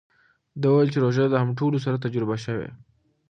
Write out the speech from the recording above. ده وویل چې روژه د همټولیو سره تجربه شوې.